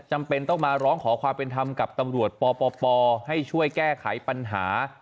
จำเป็นต้องมาร้องขอความเป็นธรรมกับตำรวจปปให้ช่วยแก้ไขปัญหา